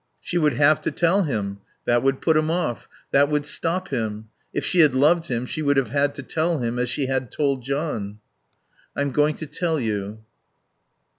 She would have to tell him. That would put him off. That would stop him. If she had loved him she would have had to tell him, as she had told John. "I'm going to tell you...."